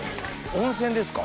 温泉ですか？